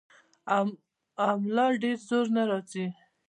او ملا ډېر زور نۀ راځي -